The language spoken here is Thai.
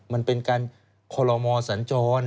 มันเป็นการคอลโลมอสัญจร